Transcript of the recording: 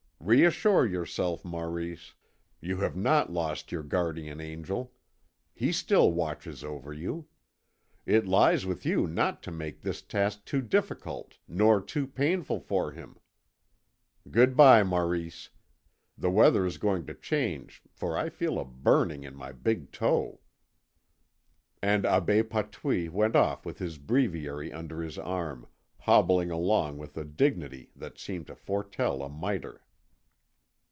Reassure yourself, Maurice, you have not lost your guardian angel. He still watches over you. It lies with you not to make this task too difficult nor too painful for him. Good bye, Maurice. The weather is going to change, for I feel a burning in my big toe." And Abbé Patouille went off with his breviary under his arm, hobbling along with a dignity that seemed to foretell a mitre.